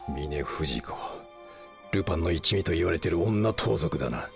ルパンの一味といわれてる女盗賊だな。